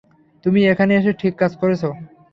তুমি এখানে এসে ঠিক কাজ করেছ।